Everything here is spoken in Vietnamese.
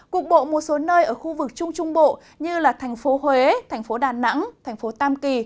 cục bộ một số nơi ở khu vực trung trung bộ như thành phố huế thành phố đà nẵng thành phố tam kỳ